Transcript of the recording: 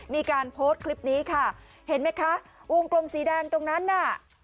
มีการโพสต์คลิปนี้ค่ะเห็นไหมคะวงกลมสีแดงตรงนั้นน่ะ